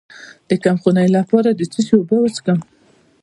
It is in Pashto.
د کمخونۍ لپاره د څه شي اوبه وڅښم؟